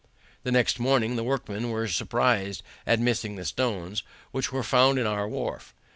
The next morning the workmen were surprised at missing the stones, which were found in our wharf.